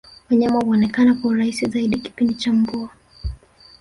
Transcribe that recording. wanyama huonekana kwa urahisi zaidi kipindi cha mvua